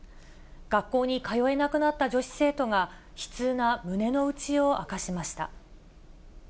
学校に通えなくなった女子生徒が、悲痛な胸の内を明かしました。